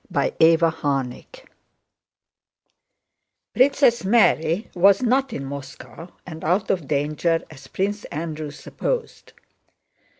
CHAPTER VIII Princess Mary was not in Moscow and out of danger as Prince Andrew supposed.